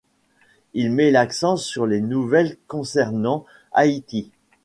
Il met l'accent sur les nouvelles concernant Haïti.